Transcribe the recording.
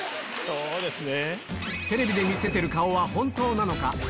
そうですね。